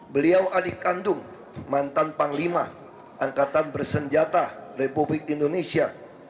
beliau adik kandung mantan panglima angkatan bersenjata republik indonesia